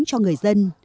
cho người dân